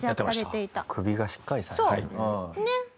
首がしっかりされてる。